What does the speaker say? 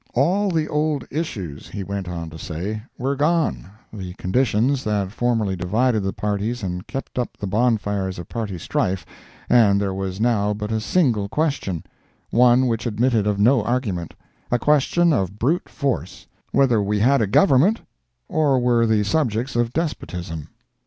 All the old issues, he went on to say, were gone, the conditions that formerly divided the parties and kept up the bonfires of party strife, and there was now but a single question; one which admitted of no argument; a question of brute force; whether we had a Government, or were the subjects of despotism.